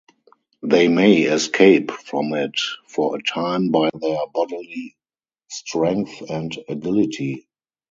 They may escape from it for a time by their bodily strength and agility.